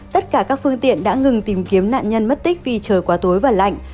tất cả các phương tiện đã ngừng tìm kiếm nạn nhân mất tích vì trời quá tối và lạnh